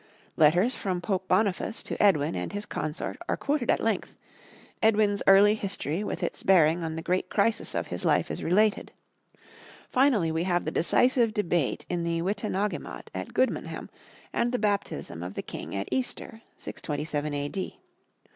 Letters from Pope Boniface to Edwin and his consort are quoted at length, Edwin's early history with its bearing on the great crisis of his life is related; finally we have the decisive debate in the Witenagemot at Goodmanham and the baptism of the king at Easter, 627 A.D.